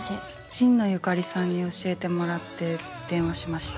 神野由香里さんに教えてもらって電話しました。